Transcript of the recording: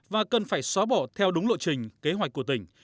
và cần phải xóa bỏ theo đúng lộ trình kế hoạch của tỉnh